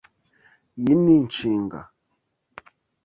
Iyi ni inshinga.